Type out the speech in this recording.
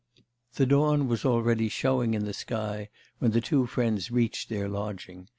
The dawn was already showing in the sky when the two friends reached their lodging.